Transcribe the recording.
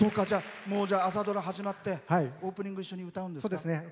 じゃあ、朝ドラ始まってオープニング一緒に歌うんですか？